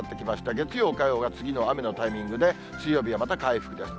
月曜、火曜が、次の雨のタイミングで、水曜日はまた回復です。